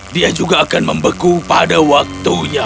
dia juga akan membeku pada waktunya